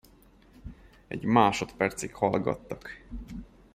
Egy másodpercig hallgattak.